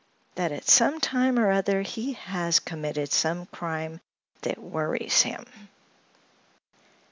"That at some time or other he has committed some crime that worries him."